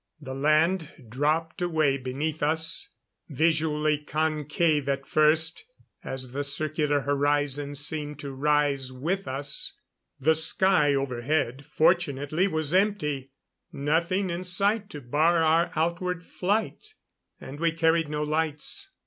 The land dropped away beneath us; visually concave at first as the circular horizon seemed to rise with us. The sky overhead fortunately was empty nothing in sight to bar our outward flight. And we carried no lights.